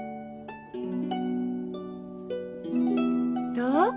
どう？